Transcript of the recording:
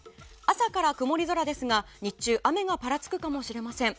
朝から曇り空ですが日中、雨がぱらつくかもしれません。